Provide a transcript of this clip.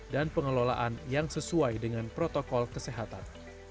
dan pengelolaan yang sesuai dengan protokol kesehatan